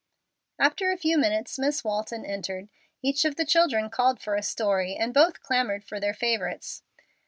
After a few minutes Miss Walton entered. Each of the children called for a story, and both clamored for their favorites.